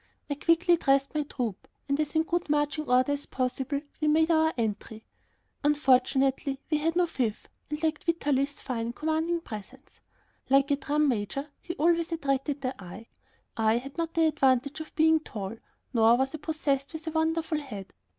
I quickly dressed my troop, and in as good marching order as possible we made our entry. Unfortunately, we had no fife and we lacked Vitalis' fine, commanding presence. Like a drum major, he always attracted the eye. I had not the advantage of being tall, nor was I possessed of a wonderful head.